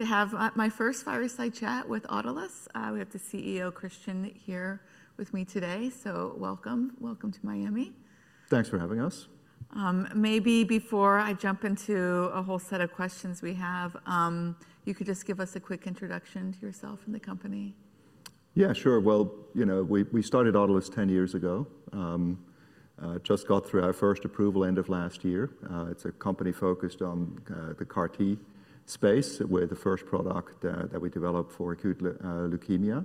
To have my first fireside chat with Autolus. We have the CEO, Christian, here with me today. Welcome, welcome to Miami. Thanks for having us. Maybe before I jump into a whole set of questions we have, you could just give us a quick introduction to yourself and the company. Yeah, sure. You know, we started Autolus 10 years ago, just got through our first approval end of last year. It's a company focused on the CAR-T space, where the first product that we developed for acute leukemia.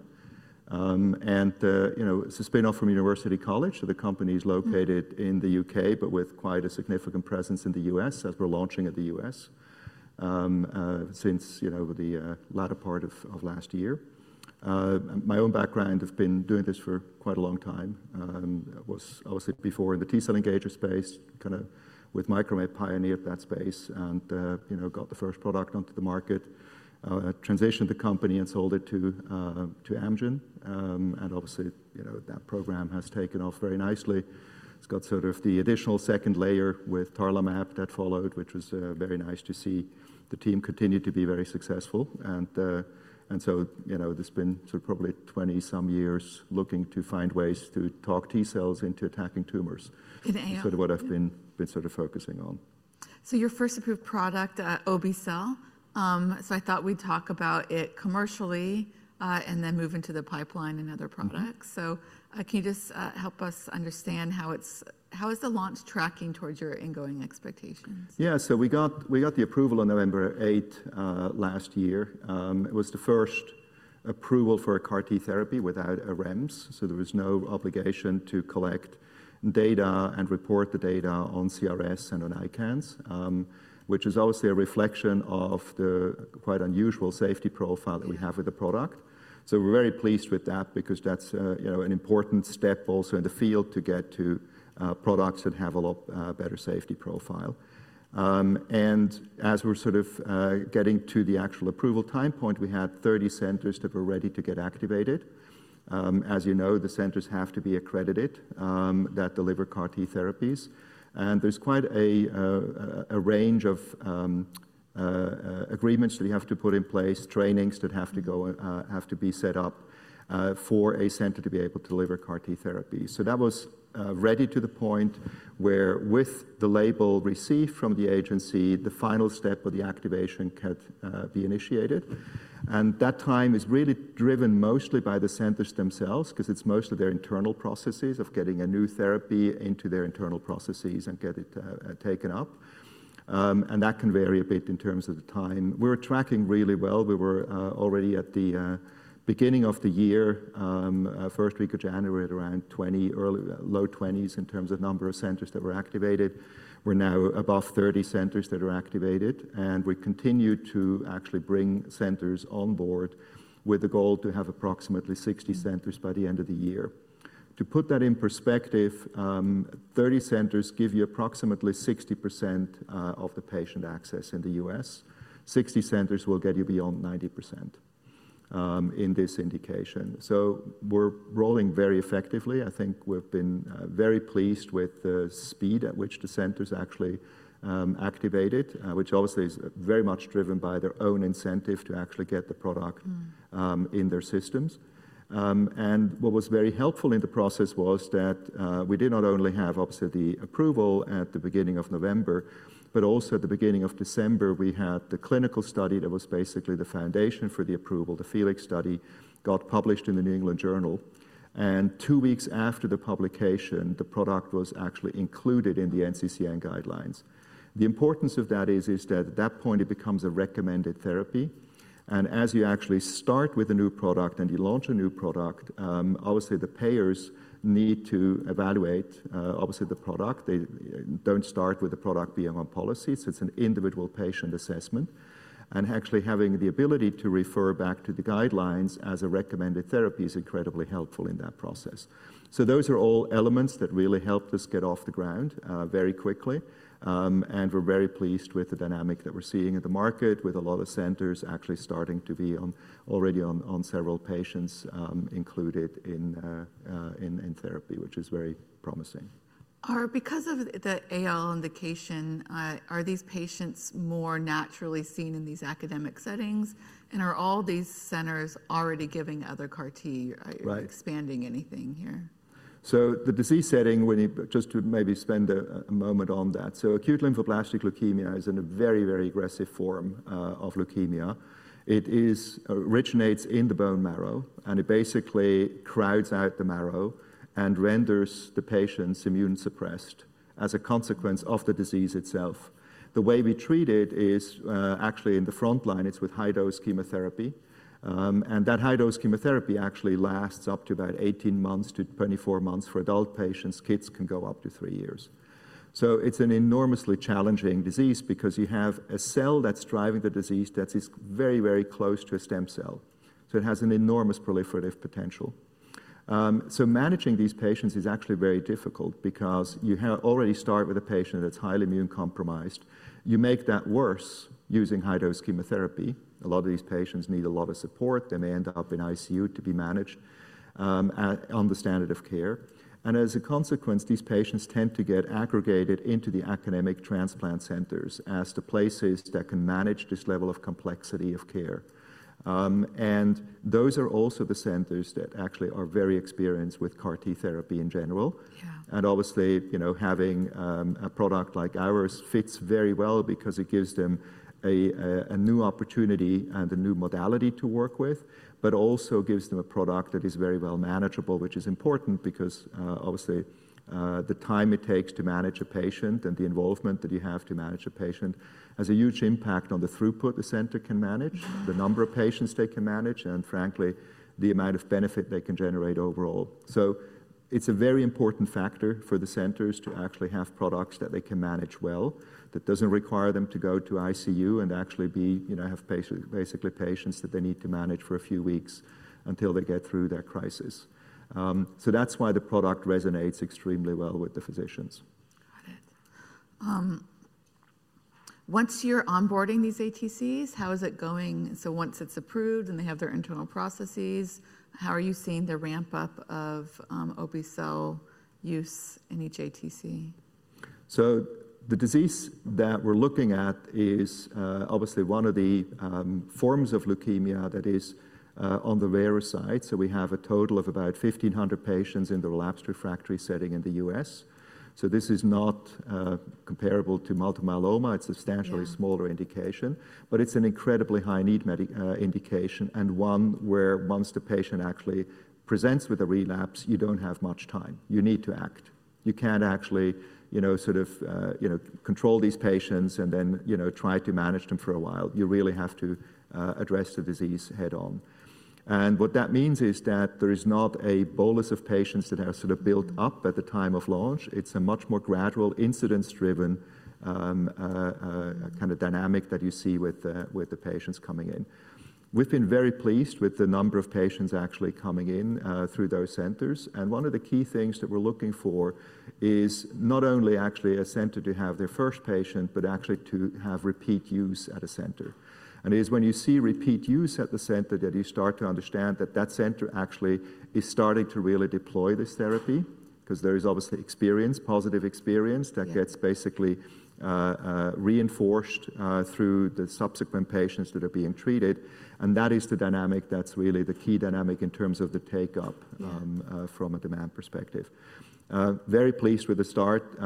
It's a spin-off from University College London. The company is located in the U.K., but with quite a significant presence in the U.S. as we're launching in the U.S. since the latter part of last year. My own background, I've been doing this for quite a long time. I was before in the T-cell engager space, kind of with Micromet, pioneered that space and got the first product onto the market, transitioned the company and sold it to Amgen. Obviously, that program has taken off very nicely. It's got sort of the additional second layer with tarlatamab that followed, which was very nice to see the team continue to be very successful. There has been probably 20 some years looking to find ways to talk T-cells into attacking tumors. In IO. Sort of what I've been sort of focusing on. Your first approved product, Obe-cel, so I thought we'd talk about it commercially and then move into the pipeline and other products. Can you just help us understand how it's how is the launch tracking towards your ingoing expectations? Yeah, we got the approval on November 8 last year. It was the first approval for a CAR-T therapy without a REMS. There was no obligation to collect data and report the data on CRS and on ICANS, which is obviously a reflection of the quite unusual safety profile that we have with the product. We're very pleased with that because that's an important step also in the field to get to products that have a lot better safety profile. As we're sort of getting to the actual approval time point, we had 30 centers that were ready to get activated. As you know, the centers have to be accredited that deliver CAR-T therapies. There is quite a range of agreements that you have to put in place, trainings that have to go, have to be set up for a center to be able to deliver CAR-T therapies. That was ready to the point where with the label received from the agency, the final step of the activation could be initiated. That time is really driven mostly by the centers themselves because it is mostly their internal processes of getting a new therapy into their internal processes and get it taken up. That can vary a bit in terms of the time. We are tracking really well. We were already at the beginning of the year, first week of January, at around 20, early, low 20s in terms of number of centers that were activated. We are now above 30 centers that are activated. We continue to actually bring centers on board with the goal to have approximately 60 centers by the end of the year. To put that in perspective, 30 centers give you approximately 60% of the patient access in the U.S. 60 centers will get you beyond 90% in this indication. We're rolling very effectively. I think we've been very pleased with the speed at which the centers actually activated, which obviously is very much driven by their own incentive to actually get the product in their systems. What was very helpful in the process was that we did not only have obviously the approval at the beginning of November, but also at the beginning of December, we had the clinical study that was basically the foundation for the approval. The FELIX study got published in the New England Journal. Two weeks after the publication, the product was actually included in the NCCN guidelines. The importance of that is that at that point, it becomes a recommended therapy. As you actually start with a new product and you launch a new product, obviously the payers need to evaluate the product. They do not start with the product being on policy. It is an individual patient assessment. Actually having the ability to refer back to the guidelines as a recommended therapy is incredibly helpful in that process. Those are all elements that really helped us get off the ground very quickly. We are very pleased with the dynamic that we are seeing in the market with a lot of centers actually starting to be already on several patients included in therapy, which is very promising. Because of the ALL indication, are these patients more naturally seen in these academic settings? Are all these centers already giving other CAR-T, expanding anything here? The disease setting, just to maybe spend a moment on that. Acute lymphoblastic leukemia is a very, very aggressive form of leukemia. It originates in the bone marrow and it basically crowds out the marrow and renders the patients immune suppressed as a consequence of the disease itself. The way we treat it is actually in the front line, it's with high-dose chemotherapy. That high-dose chemotherapy actually lasts up to about 18 months to 24 months for adult patients. Kids can go up to three years. It is an enormously challenging disease because you have a cell that's driving the disease that is very, very close to a stem cell. It has an enormous proliferative potential. Managing these patients is actually very difficult because you already start with a patient that's highly immune compromised. You make that worse using high-dose chemotherapy. A lot of these patients need a lot of support. They may end up in ICU to be managed on the standard of care. As a consequence, these patients tend to get aggregated into the academic transplant centers as the places that can manage this level of complexity of care. Those are also the centers that actually are very experienced with CAR-T therapy in general. Obviously, having a product like ours fits very well because it gives them a new opportunity and a new modality to work with, but also gives them a product that is very well manageable, which is important because obviously the time it takes to manage a patient and the involvement that you have to manage a patient has a huge impact on the throughput the center can manage, the number of patients they can manage, and frankly, the amount of benefit they can generate overall. It is a very important factor for the centers to actually have products that they can manage well that does not require them to go to ICU and actually have basically patients that they need to manage for a few weeks until they get through their crisis. That is why the product resonates extremely well with the physicians. Got it. Once you're onboarding these ATCs, how is it going? Once it's approved and they have their internal processes, how are you seeing the ramp-up of Obe-cel use in each ATC? The disease that we're looking at is obviously one of the forms of leukemia that is on the rare side. We have a total of about 1,500 patients in the relapsed refractory setting in the US. This is not comparable to multiple myeloma. It's a substantially smaller indication, but it's an incredibly high-need medication indication and one where once the patient actually presents with a relapse, you don't have much time. You need to act. You can't actually sort of control these patients and then try to manage them for a while. You really have to address the disease head-on. What that means is that there is not a bolus of patients that are sort of built up at the time of launch. It's a much more gradual, incidence-driven kind of dynamic that you see with the patients coming in. We've been very pleased with the number of patients actually coming in through those centers. One of the key things that we're looking for is not only actually a center to have their first patient, but actually to have repeat use at a center. It is when you see repeat use at the center that you start to understand that that center actually is starting to really deploy this therapy because there is obviously experience, positive experience that gets basically reinforced through the subsequent patients that are being treated. That is the dynamic that's really the key dynamic in terms of the take-up from a demand perspective. Very pleased with the start,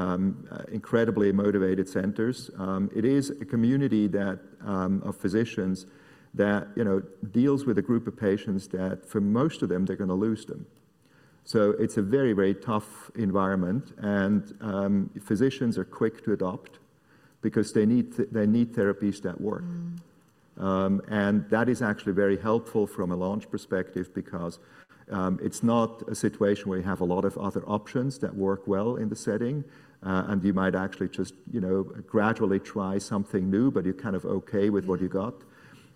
incredibly motivated centers. It is a community of physicians that deals with a group of patients that for most of them, they're going to lose them. It's a very, very tough environment. Physicians are quick to adopt because they need therapies that work. That is actually very helpful from a launch perspective because it's not a situation where you have a lot of other options that work well in the setting. You might actually just gradually try something new, but you're kind of okay with what you got.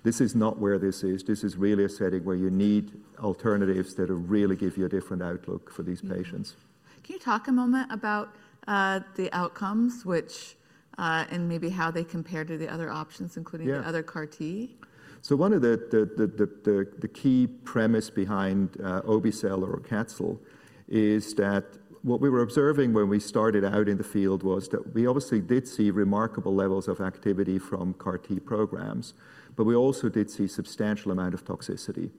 This is not where this is. This is really a setting where you need alternatives that really give you a different outlook for these patients. Can you talk a moment about the outcomes and maybe how they compare to the other options, including the other CAR-T? One of the key premises behind Obe-cel or AUCATZYL is that what we were observing when we started out in the field was that we obviously did see remarkable levels of activity from CAR-T programs, but we also did see a substantial amount of toxicity.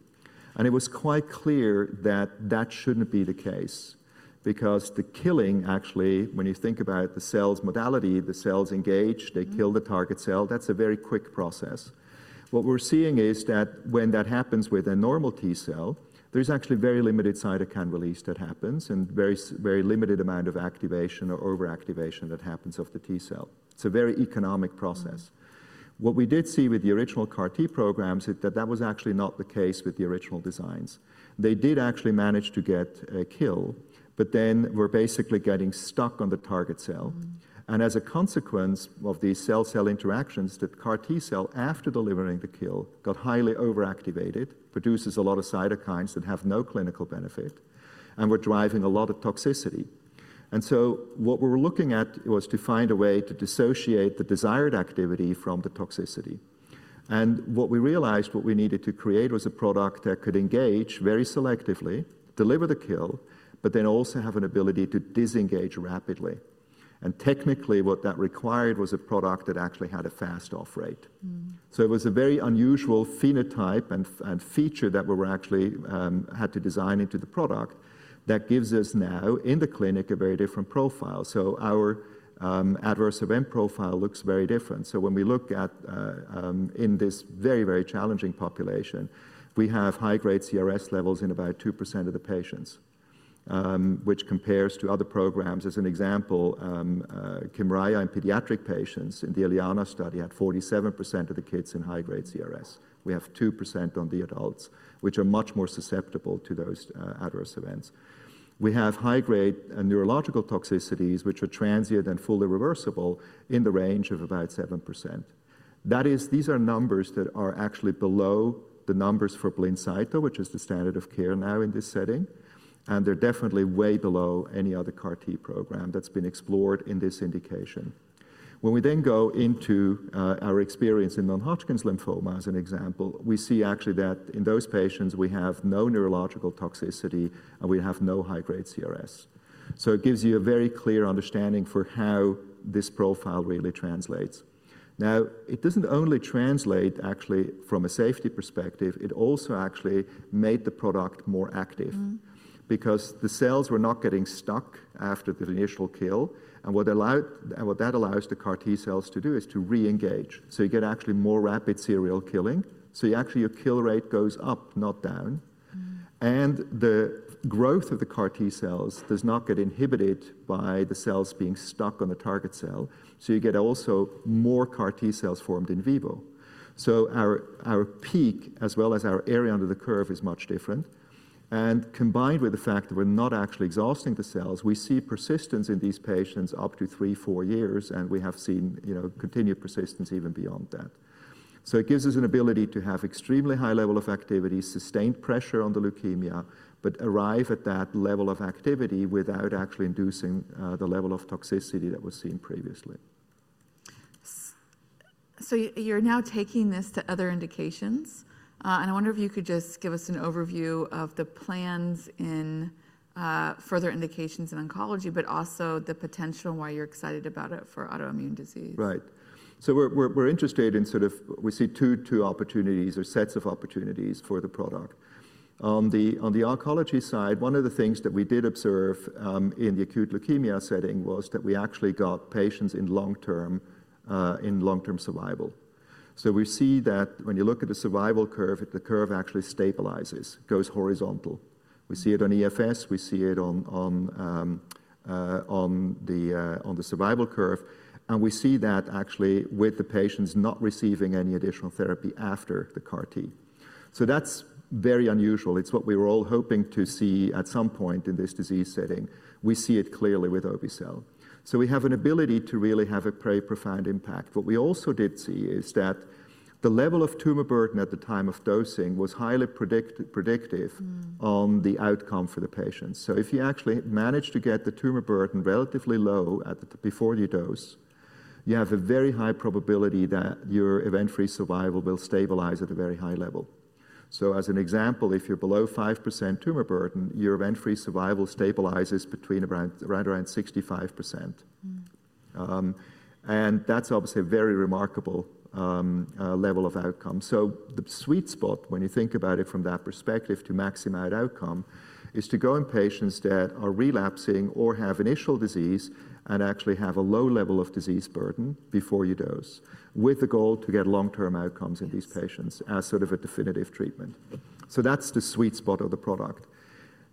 It was quite clear that that shouldn't be the case because the killing, actually, when you think about the cell's modality, the cells engage, they kill the target cell. That's a very quick process. What we're seeing is that when that happens with a normal T-cell, there's actually very limited cytokine release that happens and very limited amount of activation or over-activation that happens of the T-cell. It's a very economic process. What we did see with the original CAR-T programs is that that was actually not the case with the original designs. They did actually manage to get a kill, but then were basically getting stuck on the target cell. As a consequence of these cell-cell interactions, the CAR-T cell, after delivering the kill, got highly over-activated, produces a lot of cytokines that have no clinical benefit, and were driving a lot of toxicity. What we were looking at was to find a way to dissociate the desired activity from the toxicity. What we realized, what we needed to create was a product that could engage very selectively, deliver the kill, but then also have an ability to disengage rapidly. Technically, what that required was a product that actually had a fast off-rate. It was a very unusual phenotype and feature that we actually had to design into the product that gives us now in the clinic a very different profile. Our adverse event profile looks very different. When we look at, in this very, very challenging population, we have high-grade CRS levels in about 2% of the patients, which compares to other programs. As an example, Kymriah in pediatric patients in the ELIANA study had 47% of the kids in high-grade CRS. We have 2% on the adults, which are much more susceptible to those adverse events. We have high-grade neurological toxicities, which are transient and fully reversible, in the range of about 7%. That is, these are numbers that are actually below the numbers for Blincyto, which is the standard of care now in this setting. They're definitely way below any other CAR-T program that's been explored in this indication. When we then go into our experience in non-Hodgkin's lymphoma as an example, we see actually that in those patients, we have no neurological toxicity and we have no high-grade CRS. It gives you a very clear understanding for how this profile really translates. Now, it doesn't only translate actually from a safety perspective. It also actually made the product more active because the cells were not getting stuck after the initial kill. What that allows the CAR-T cells to do is to re-engage. You get actually more rapid serial killing. Actually your kill rate goes up, not down. The growth of the CAR-T cells does not get inhibited by the cells being stuck on the target cell. You get also more CAR-T cells formed in vivo. Our peak, as well as our area under the curve, is much different. Combined with the fact that we're not actually exhausting the cells, we see persistence in these patients up to three, four years, and we have seen continued persistence even beyond that. It gives us an ability to have extremely high level of activity, sustained pressure on the leukemia, but arrive at that level of activity without actually inducing the level of toxicity that was seen previously. You're now taking this to other indications. I wonder if you could just give us an overview of the plans in further indications in oncology, but also the potential why you're excited about it for autoimmune disease. Right. So we're interested in sort of, we see two opportunities or sets of opportunities for the product. On the oncology side, one of the things that we did observe in the acute leukemia setting was that we actually got patients in long-term survival. We see that when you look at the survival curve, the curve actually stabilizes, goes horizontal. We see it on EFS. We see it on the survival curve. We see that actually with the patients not receiving any additional therapy after the CAR-T. That's very unusual. It's what we were all hoping to see at some point in this disease setting. We see it clearly with Obe-cel. We have an ability to really have a very profound impact. What we also did see is that the level of tumor burden at the time of dosing was highly predictive on the outcome for the patients. If you actually manage to get the tumor burden relatively low before you dose, you have a very high probability that your event-free survival will stabilize at a very high level. As an example, if you're below 5% tumor burden, your event-free survival stabilizes between around 65%. That's obviously a very remarkable level of outcome. The sweet spot, when you think about it from that perspective, to maximize outcome is to go in patients that are relapsing or have initial disease and actually have a low level of disease burden before you dose, with the goal to get long-term outcomes in these patients as sort of a definitive treatment. That's the sweet spot of the product.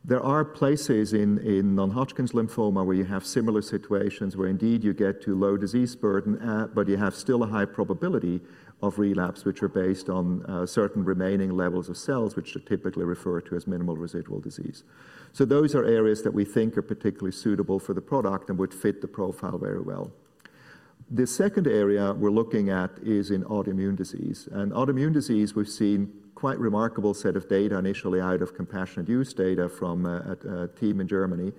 There are places in non-Hodgkin's lymphoma where you have similar situations where indeed you get to low disease burden, but you have still a high probability of relapse, which are based on certain remaining levels of cells, which are typically referred to as minimal residual disease. Those are areas that we think are particularly suitable for the product and would fit the profile very well. The second area we're looking at is in autoimmune disease. In autoimmune disease, we've seen quite a remarkable set of data initially out of compassionate use data from a team in Germany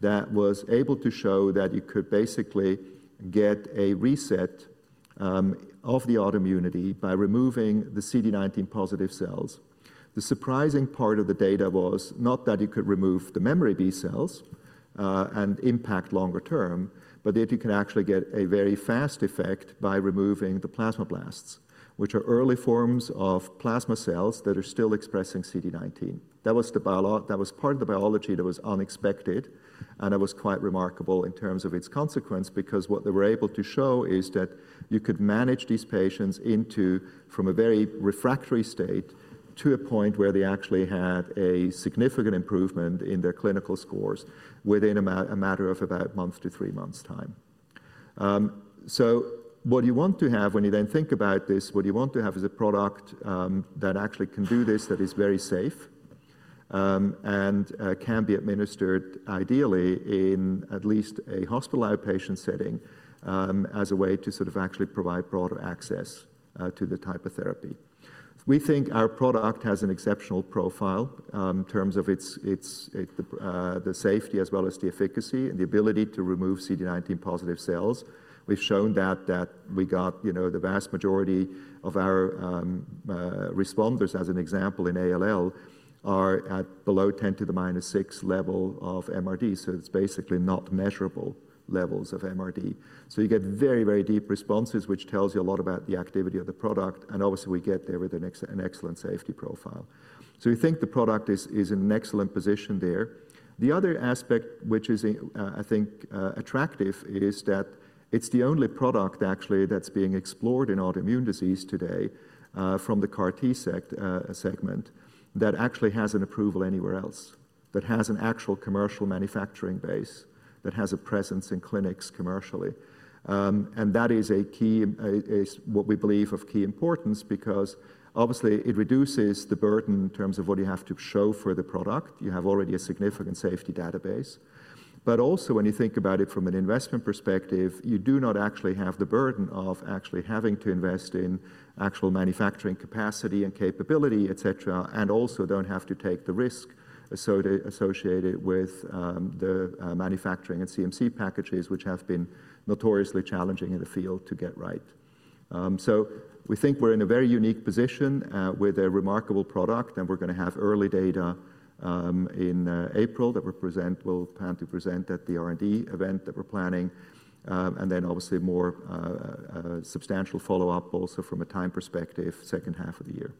that was able to show that you could basically get a reset of the autoimmunity by removing the CD19 positive cells. The surprising part of the data was not that you could remove the memory B cells and impact longer term, but that you can actually get a very fast effect by removing the plasmablasts, which are early forms of plasma cells that are still expressing CD19. That was part of the biology that was unexpected. It was quite remarkable in terms of its consequence because what they were able to show is that you could manage these patients from a very refractory state to a point where they actually had a significant improvement in their clinical scores within a matter of about a month to three months' time. What you want to have when you then think about this, what you want to have is a product that actually can do this, that is very safe and can be administered ideally in at least a hospital outpatient setting as a way to sort of actually provide broader access to the type of therapy. We think our product has an exceptional profile in terms of the safety as well as the efficacy and the ability to remove CD19 positive cells. We've shown that we got the vast majority of our responders, as an example, in ALL are at below 10 to the minus 6 level of MRD. It is basically not measurable levels of MRD. You get very, very deep responses, which tells you a lot about the activity of the product. Obviously, we get there with an excellent safety profile. We think the product is in an excellent position there. The other aspect, which is, I think, attractive, is that it's the only product actually that's being explored in autoimmune disease today from the CAR-T segment that actually has an approval anywhere else, that has an actual commercial manufacturing base, that has a presence in clinics commercially. That is a key, is what we believe of key importance because obviously it reduces the burden in terms of what you have to show for the product. You have already a significant safety database. Also, when you think about it from an investment perspective, you do not actually have the burden of actually having to invest in actual manufacturing capacity and capability, et cetera, and also do not have to take the risk associated with the manufacturing and CMC packages, which have been notoriously challenging in the field to get right. We think we are in a very unique position with a remarkable product, and we are going to have early data in April that we will plan to present at the R&D event that we are planning, and then obviously more substantial follow-up also from a time perspective, second half of the year.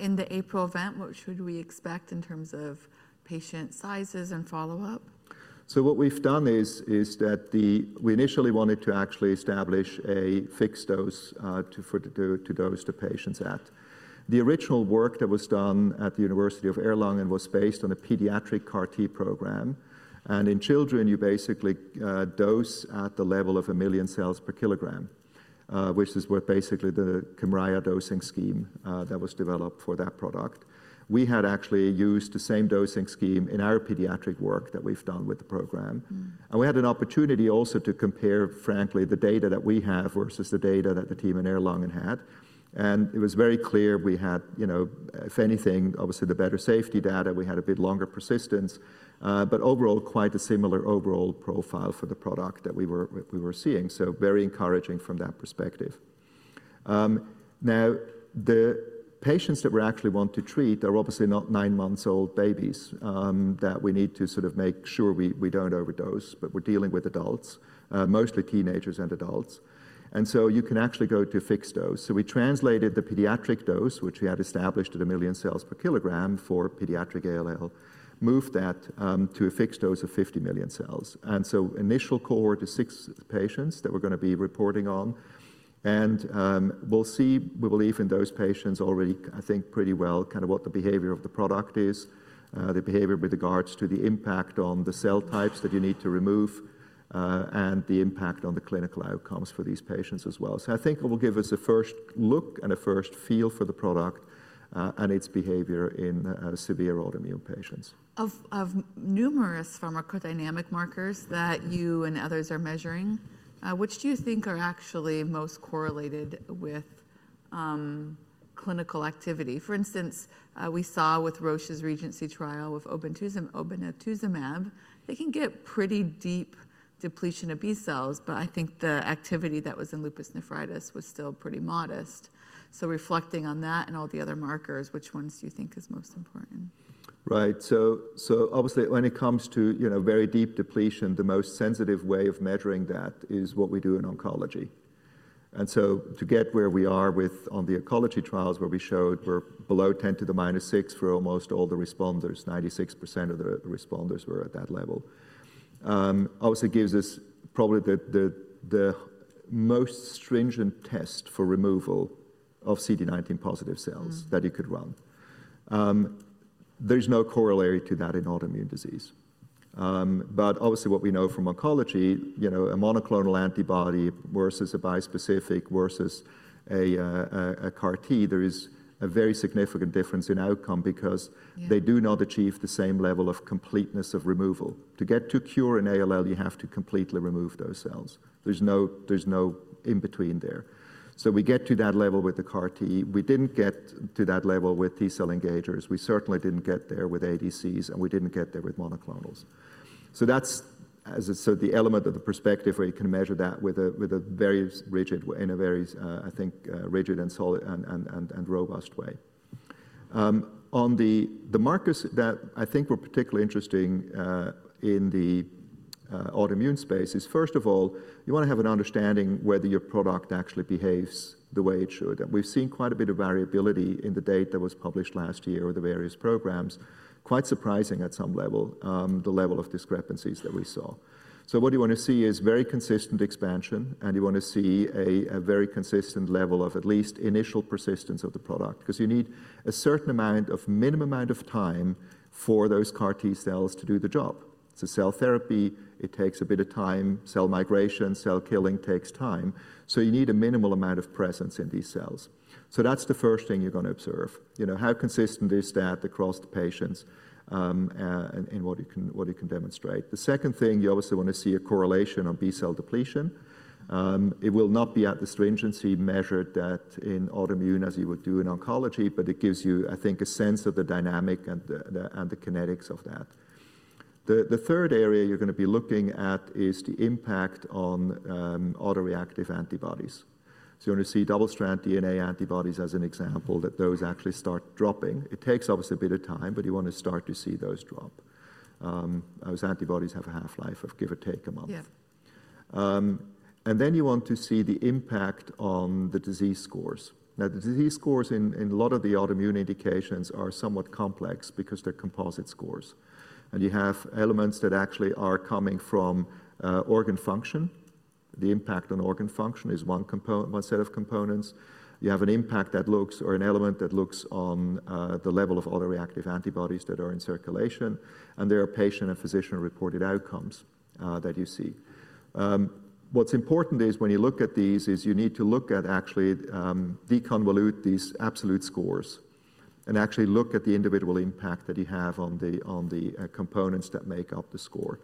In the April event, what should we expect in terms of patient sizes and follow-up? What we've done is that we initially wanted to actually establish a fixed dose to dose the patients at. The original work that was done at the University of Erlangen was based on a pediatric CAR-T program. In children, you basically dose at the level of a million cells per kilogram, which is what basically the Kymriah dosing scheme that was developed for that product. We had actually used the same dosing scheme in our pediatric work that we've done with the program. We had an opportunity also to compare, frankly, the data that we have versus the data that the team in Erlangen had. It was very clear we had, if anything, obviously the better safety data. We had a bit longer persistence, but overall quite a similar overall profile for the product that we were seeing. Very encouraging from that perspective. Now, the patients that we actually want to treat are obviously not nine-month-old babies that we need to sort of make sure we don't overdose, but we're dealing with adults, mostly teenagers and adults. You can actually go to fixed dose. We translated the pediatric dose, which we had established at a million cells per kilogram for pediatric ALL, moved that to a fixed dose of 50 million cells. The initial cohort is six patients that we're going to be reporting on. We believe in those patients already, I think pretty well kind of what the behavior of the product is, the behavior with regards to the impact on the cell types that you need to remove and the impact on the clinical outcomes for these patients as well. I think it will give us a first look and a first feel for the product and its behavior in severe autoimmune patients. Of numerous pharmacodynamic markers that you and others are measuring, which do you think are actually most correlated with clinical activity? For instance, we saw with Roche's REGENCY trial with obinutuzumab, it can get pretty deep depletion of B cells, but I think the activity that was in lupus nephritis was still pretty modest. Reflecting on that and all the other markers, which ones do you think is most important? Right. Obviously when it comes to very deep depletion, the most sensitive way of measuring that is what we do in oncology. To get where we are with the oncology trials where we showed we're below 10 to the minus 6 for almost all the responders, 96% of the responders were at that level. Obviously it gives us probably the most stringent test for removal of CD19 positive cells that you could run. There's no corollary to that in autoimmune disease. Obviously what we know from oncology, a monoclonal antibody versus a bispecific versus a CAR-T, there is a very significant difference in outcome because they do not achieve the same level of completeness of removal. To get to cure in ALL, you have to completely remove those cells. There's no in-between there. We get to that level with the CAR-T. We didn't get to that level with T cell engagers. We certainly didn't get there with ADCs, and we didn't get there with monoclonals. That is the element of the perspective where you can measure that in a very, I think, rigid and solid and robust way. On the markers that I think were particularly interesting in the autoimmune space is, first of all, you want to have an understanding whether your product actually behaves the way it should. We've seen quite a bit of variability in the data that was published last year for the various programs, quite surprising at some level, the level of discrepancies that we saw. What you want to see is very consistent expansion, and you want to see a very consistent level of at least initial persistence of the product because you need a certain minimum amount of time for those CAR-T cells to do the job. It's a cell therapy. It takes a bit of time. Cell migration, cell killing takes time. You need a minimal amount of presence in these cells. That's the first thing you're going to observe. How consistent is that across the patients and what you can demonstrate? The second thing, you obviously want to see a correlation on B cell depletion. It will not be at the stringency measured that in autoimmune as you would do in oncology, but it gives you, I think, a sense of the dynamic and the kinetics of that. The third area you're going to be looking at is the impact on autoreactive antibodies. You want to see double-strand DNA antibodies as an example that those actually start dropping. It takes obviously a bit of time, but you want to start to see those drop. Those antibodies have a half-life of give or take a month. You want to see the impact on the disease scores. Now, the disease scores in a lot of the autoimmune indications are somewhat complex because they're composite scores. You have elements that actually are coming from organ function. The impact on organ function is one set of components. You have an impact that looks or an element that looks on the level of autoreactive antibodies that are in circulation. There are patient and physician reported outcomes that you see. What's important is when you look at these is you need to look at actually deconvolute these absolute scores and actually look at the individual impact that you have on the components that make up the score.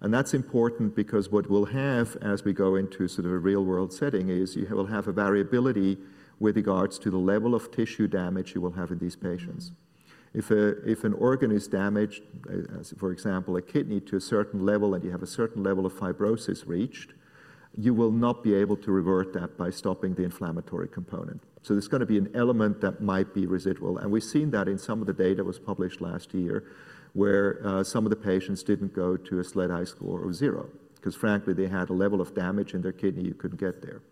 That's important because what we'll have as we go into sort of a real-world setting is you will have a variability with regards to the level of tissue damage you will have in these patients. If an organ is damaged, for example, a kidney to a certain level and you have a certain level of fibrosis reached, you will not be able to revert that by stopping the inflammatory component. There's going to be an element that might be residual. We've seen that in some of the data that was published last year where some of the patients didn't go to a SLEDAI score of zero because, frankly, they had a level of damage in their kidney you couldn't get there.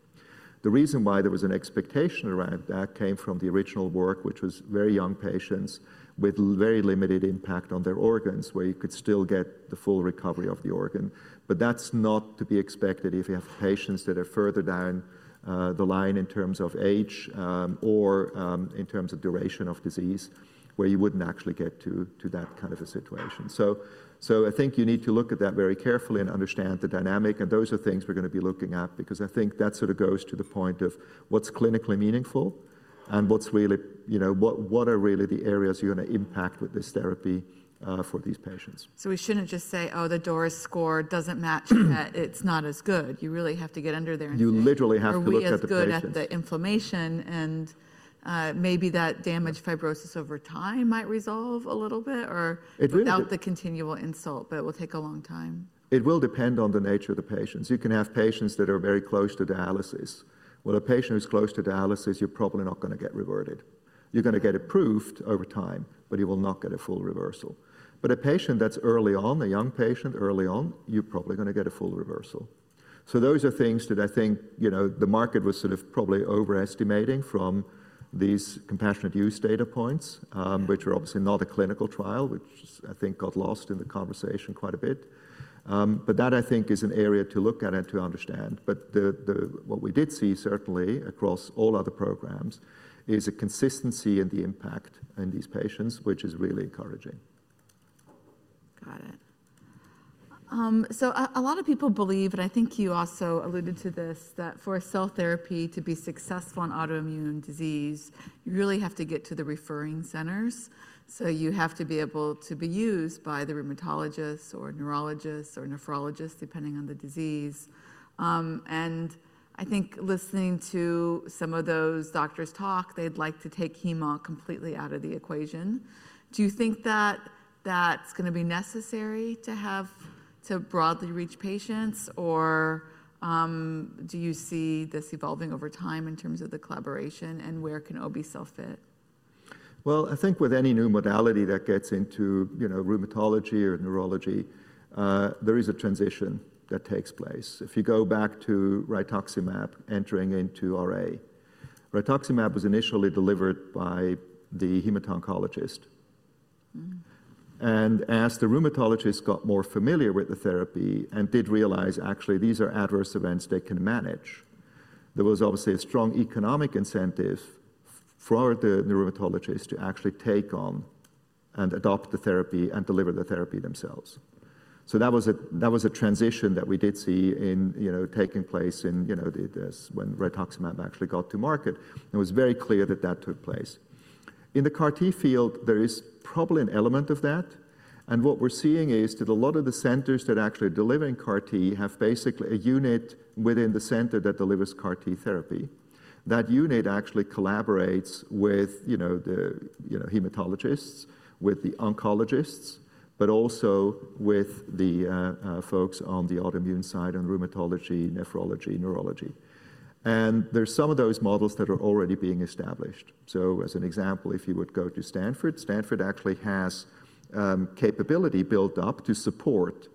The reason why there was an expectation around that came from the original work, which was very young patients with very limited impact on their organs where you could still get the full recovery of the organ. That's not to be expected if you have patients that are further down the line in terms of age or in terms of duration of disease where you wouldn't actually get to that kind of a situation. I think you need to look at that very carefully and understand the dynamic. Those are things we're going to be looking at because I think that sort of goes to the point of what's clinically meaningful and what are really the areas you're going to impact with this therapy for these patients. We shouldn't just say, oh, the DORIS score doesn't match, it's not as good. You really have to get under there. You literally have to look at the. You really have to look at the inflammation and maybe that damaged fibrosis over time might resolve a little bit or without the continual insult, but it will take a long time. It will depend on the nature of the patients. You can have patients that are very close to dialysis. A patient who's close to dialysis, you're probably not going to get reverted. You're going to get approved over time, but you will not get a full reversal. A patient that's early on, a young patient early on, you're probably going to get a full reversal. Those are things that I think the market was sort of probably overestimating from these compassionate use data points, which are obviously not a clinical trial, which I think got lost in the conversation quite a bit. That I think is an area to look at and to understand. What we did see certainly across all other programs is a consistency in the impact in these patients, which is really encouraging. Got it. A lot of people believe, and I think you also alluded to this, that for cell therapy to be successful in autoimmune disease, you really have to get to the referring centers. You have to be able to be used by the rheumatologists or neurologists or nephrologists, depending on the disease. I think listening to some of those doctors talk, they'd like to take chemo completely out of the equation. Do you think that that's going to be necessary to have to broadly reach patients, or do you see this evolving over time in terms of the collaboration, and where can Obe-cel fit? I think with any new modality that gets into rheumatology or neurology, there is a transition that takes place. If you go back to rituximab entering into RA, rituximab was initially delivered by the hematologist-oncologist. As the rheumatologist got more familiar with the therapy and did realize actually these are adverse events they can manage, there was obviously a strong economic incentive for the rheumatologist to actually take on and adopt the therapy and deliver the therapy themselves. That was a transition that we did see taking place when rituximab actually got to market. It was very clear that that took place. In the CAR-T field, there is probably an element of that. What we're seeing is that a lot of the centers that are actually delivering CAR-T have basically a unit within the center that delivers CAR-T therapy. That unit actually collaborates with the hematologists, with the oncologists, but also with the folks on the autoimmune side on rheumatology, nephrology, neurology. There are some of those models that are already being established. As an example, if you would go to Stanford, Stanford actually has capability built up to support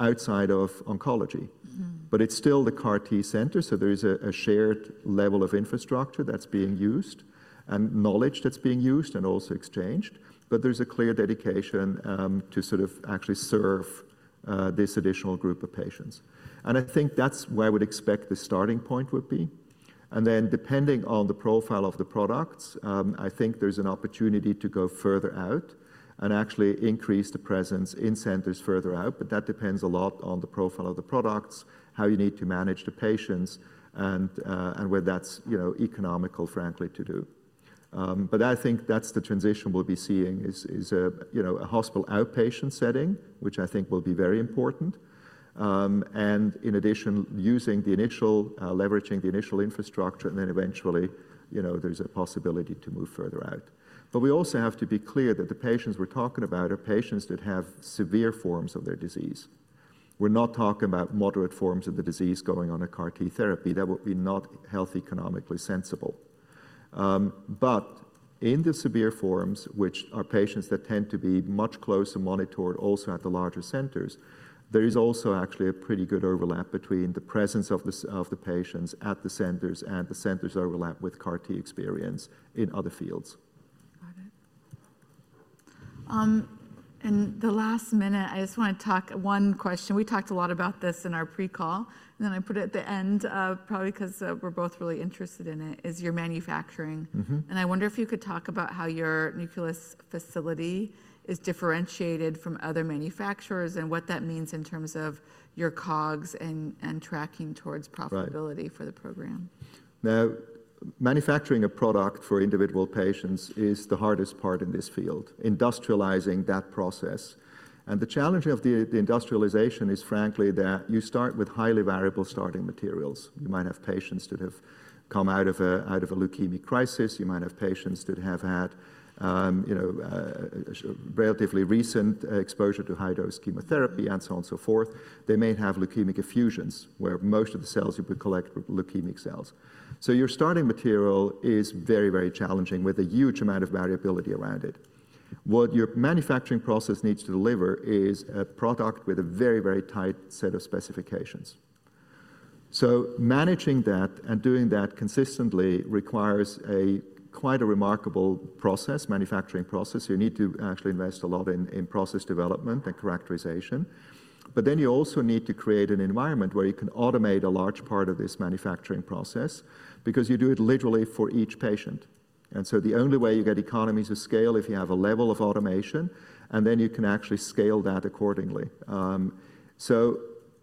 outside of oncology. It is still the CAR-T center. There is a shared level of infrastructure that is being used and knowledge that is being used and also exchanged. There is a clear dedication to sort of actually serve this additional group of patients. I think that is where I would expect the starting point would be. Depending on the profile of the products, I think there is an opportunity to go further out and actually increase the presence in centers further out. That depends a lot on the profile of the products, how you need to manage the patients, and whether that's economical, frankly, to do. I think that's the transition we'll be seeing is a hospital outpatient setting, which I think will be very important. In addition, using the initial, leveraging the initial infrastructure, and then eventually there's a possibility to move further out. We also have to be clear that the patients we're talking about are patients that have severe forms of their disease. We're not talking about moderate forms of the disease going on a CAR-T therapy. That would be not health economically sensible. In the severe forms, which are patients that tend to be much closer monitored also at the larger centers, there is also actually a pretty good overlap between the presence of the patients at the centers and the centers overlap with CAR-T experience in other fields. Got it. In the last minute, I just want to talk one question. We talked a lot about this in our pre-call, and then I put it at the end probably because we're both really interested in it, is your manufacturing. I wonder if you could talk about how your Nucleus facility is differentiated from other manufacturers and what that means in terms of your COGS and tracking towards profitability for the program. Now, manufacturing a product for individual patients is the hardest part in this field, industrializing that process. The challenge of the industrialization is frankly that you start with highly variable starting materials. You might have patients that have come out of a leukemia crisis. You might have patients that have had relatively recent exposure to high-dose chemotherapy and so on and so forth. They may have leukemic effusions where most of the cells you could collect were leukemic cells. Your starting material is very, very challenging with a huge amount of variability around it. What your manufacturing process needs to deliver is a product with a very, very tight set of specifications. Managing that and doing that consistently requires quite a remarkable process, manufacturing process. You need to actually invest a lot in process development and characterization. You also need to create an environment where you can automate a large part of this manufacturing process because you do it literally for each patient. The only way you get economies of scale is if you have a level of automation, and then you can actually scale that accordingly.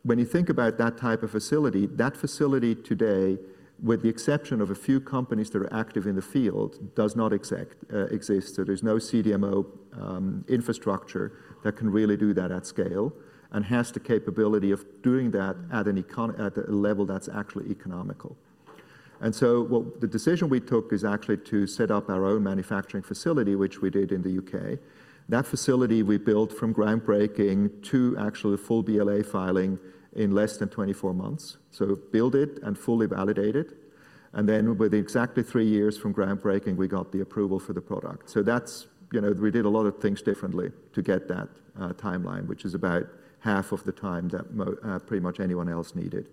When you think about that type of facility, that facility today, with the exception of a few companies that are active in the field, does not exist. There is no CDMO infrastructure that can really do that at scale and has the capability of doing that at a level that is actually economical. The decision we took is actually to set up our own manufacturing facility, which we did in the U.K. That facility we built from groundbreaking to actually full BLA filing in less than 24 months. Build it and fully validate it. Then with exactly three years from groundbreaking, we got the approval for the product. We did a lot of things differently to get that timeline, which is about half of the time that pretty much anyone else needed.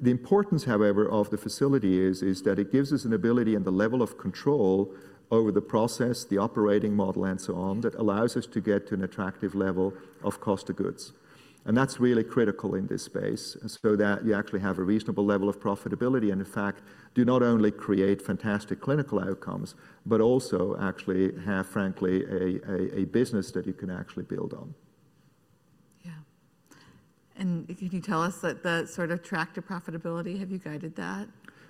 The importance, however, of the facility is that it gives us an ability and the level of control over the process, the operating model, and so on that allows us to get to an attractive level of cost of goods. That's really critical in this space so that you actually have a reasonable level of profitability and, in fact, do not only create fantastic clinical outcomes, but also actually have, frankly, a business that you can actually build on. Yeah. Can you tell us that the sort of track to profitability, have you guided that?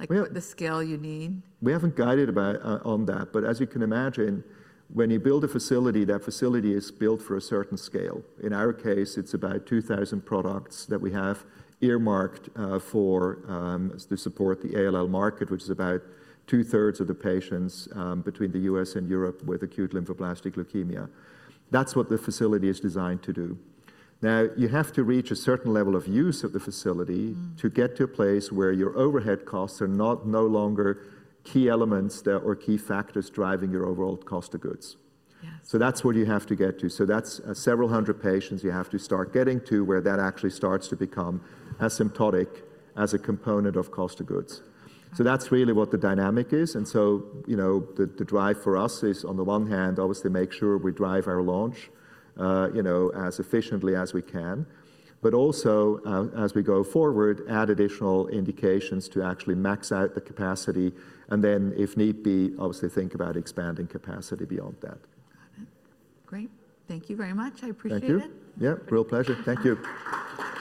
The scale you need? We haven't guided on that. As you can imagine, when you build a facility, that facility is built for a certain scale. In our case, it's about 2,000 products that we have earmarked for to support the ALL market, which is about two-thirds of the patients between the US and Europe with acute lymphoblastic leukemia. That's what the facility is designed to do. You have to reach a certain level of use of the facility to get to a place where your overhead costs are no longer key elements or key factors driving your overall cost of goods. That's what you have to get to. That's several hundred patients you have to start getting to where that actually starts to become asymptotic as a component of cost of goods. That's really what the dynamic is. The drive for us is, on the one hand, obviously make sure we drive our launch as efficiently as we can, but also as we go forward, add additional indications to actually max out the capacity and then, if need be, obviously think about expanding capacity beyond that. Got it. Great. Thank you very much. I appreciate it. Yeah. Real pleasure. Thank you.